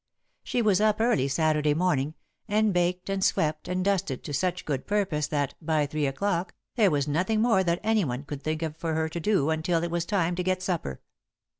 She was up early Saturday morning, and baked and swept and dusted to such good purpose that, by three o'clock, there was nothing more that anyone could think of for her to do until it was time to get supper.